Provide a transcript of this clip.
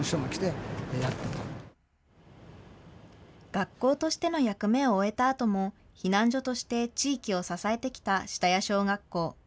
学校としての役目を終えたあとも、避難所として地域を支えてきた下谷小学校。